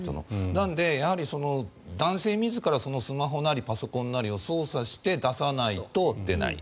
なので、男性自らそのスマホなりパソコンなりを操作して出さないと出ない。